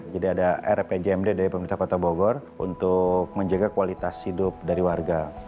jadi ada rpejmd dari pemerintahan kota bogor untuk menjaga kualitas hidup dari warga